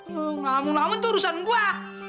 ngelamun lamun tuh urusan gua